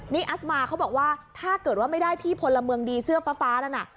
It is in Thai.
นี่อัสมาเขาบอกว่าถ้าเกิดว่าไม่ได้พี่พลเมืองดีเสื้อฟ้านั้นน่ะ